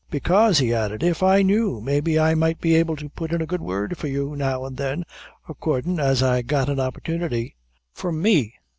"Bekaise," he added, "if I knew, maybe I might be able to put in a good word for you, now and then, accordin' as I got an opportunity." "For me!"